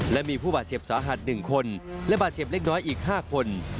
และมีผู้บาดเจ็บสาหัส๑คนและบาดเจ็บเล็กน้อยอีก๕คน